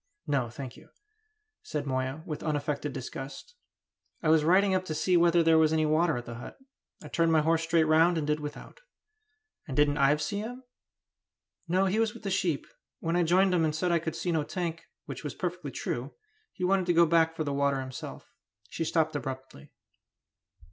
"No, thank you," said Moya, with unaffected disgust. "I was riding up to see whether there was any water at the hut. I turned my horse straight round, and did without." "And didn't Ives see him?" "No, he was with the sheep; when I joined him and said I could see no tank, which was perfectly true, he wanted to go back for the water himself." She stopped abruptly.